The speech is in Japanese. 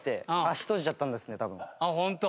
あっホント？